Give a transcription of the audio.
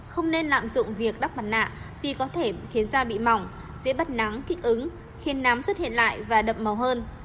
không nên lạm dụng việc đắp mặt nạ vì có thể khiến da bị mỏng dễ bắt nắng thích ứng khiến nám xuất hiện lại và đậm màu hơn